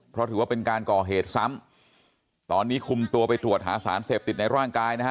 เพราะถือว่าเป็นการก่อเหตุซ้ำตอนนี้คุมตัวไปตรวจหาสารเสพติดในร่างกายนะฮะ